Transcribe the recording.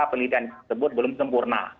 pelitian tersebut belum sempurna